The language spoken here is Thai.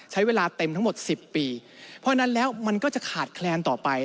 ใช้เวลาเต็มทั้งหมด๑๐ปีเพราะฉะนั้นแล้วมันก็จะขาดแคลนต่อไป